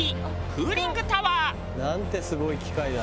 「なんてすごい機械だ」